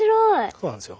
そうなんですよ。